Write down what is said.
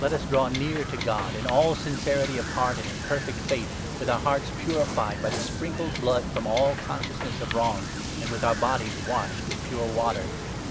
443 us draw near to God in all sincerity of heart and in perfect faith, with our hearts purified by the sprinkled blood from all consciousness of wrong, and with our bodies washed with pure water.